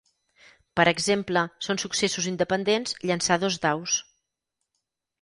Per exemple són successos independents llançar dos daus.